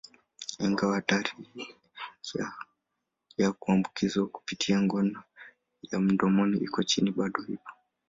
Ingawa hatari ya kuambukizwa kupitia ngono ya mdomoni iko chini, bado ipo.